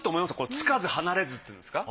つかず離れずっていうんですか？